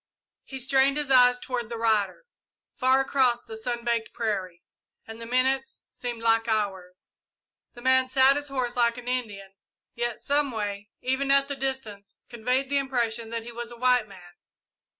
He strained his eyes toward the rider, far across the sun baked prairie, and the minutes seemed like hours. The man sat his horse like an Indian, yet, someway, even at the distance, conveyed the impression that he was a white man.